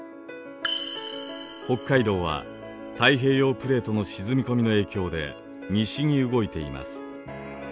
北海道は太平洋プレートの沈み込みの影響で西に動いています。